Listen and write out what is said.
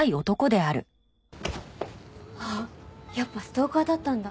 あっやっぱストーカーだったんだ。